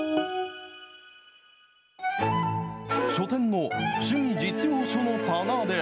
書店の趣味・実用書の棚で。